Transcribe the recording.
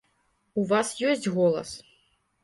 У вас ёсць голас.